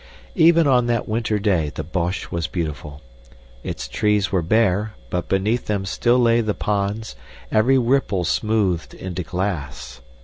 Even on that winter day the Bosch was beautiful. Its trees were bare, but beneath them still lay the ponds, every ripple smoothed into glass.